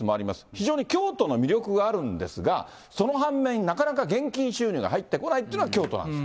非常に京都の魅力があるんですが、その反面、なかなか現金収入が入ってこないというのが京都なんです。